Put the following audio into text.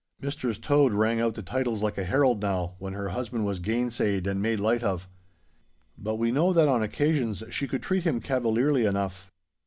Mistress Tode rang out the titles like a herald now, when her husband was gainsayed and made light of. But we know that on occasions she could treat him cavalierly enough.